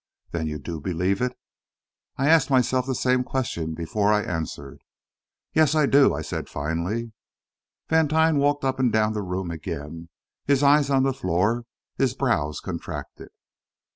"Then you do believe it?" I asked myself the same question before I answered. "Yes, I do," I said, finally. Vantine walked up and down the room again, his eyes on the floor, his brows contracted.